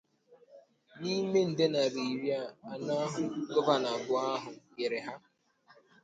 N'ime nde naịra iri anọ ahụ Gọvanọ abụọ ahụ nyere ha